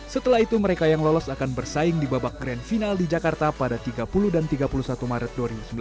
setelah itu mereka yang lolos akan bersaing di babak grand final di jakarta pada tiga puluh dan tiga puluh satu maret dua ribu sembilan belas